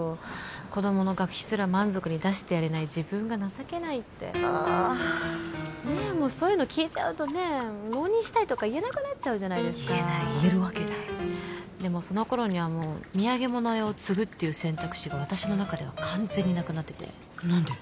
「子供の学費すら満足に出してやれない自分が情けない」ってあねえそういうの聞いちゃうとねえ浪人したいとか言えなくなっちゃうじゃないですか言えない言えるわけないでもその頃にはもう土産物屋を継ぐっていう選択肢が私の中では完全になくなってて何で？